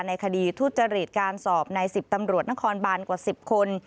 ในคดีทุจริตการสอบใน๑๐ตำรวจนครบานกว่า๑๐คน